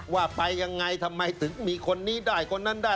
ว่าไปยังไงทำไมถึงมีคนนี้ได้คนนั้นได้